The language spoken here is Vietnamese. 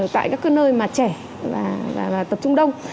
tại các nơi mà trẻ và tập trung đông